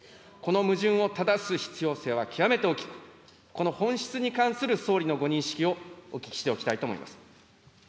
この矛盾を正す必要性は極めて大きく、この本質に関する総理のご認識をお聞きしておきたいと思います。